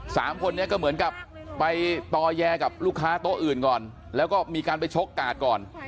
สามคนนี้ก็เหมือนกับไปต่อแยกับลูกค้าโต๊ะอื่นก่อนแล้วก็มีการไปชกกาดก่อน